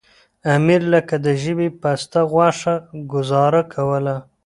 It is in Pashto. امیر لکه د ژبې پسته غوښه ګوزاره کوله.